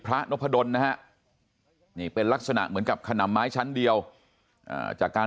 นพดลนะฮะนี่เป็นลักษณะเหมือนกับขนำไม้ชั้นเดียวจากการ